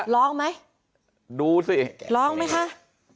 ร้องไหมดูสิร้องไหมคะ